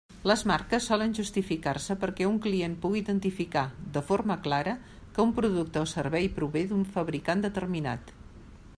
Les marques solen justificar-se perquè un client pugui identificar, de forma clara, que un producte o servei prové d'un fabricant determinat.